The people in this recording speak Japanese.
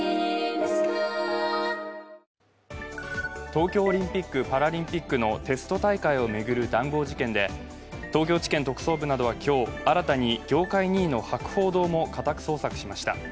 東京オリンピック・パラリンピックのテスト大会を巡る談合事件で東京地検特捜部などは今日新たに業界２位の博報堂も家宅捜索しました。